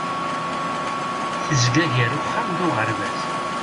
Tezga gar uxxam d uɣerbaz.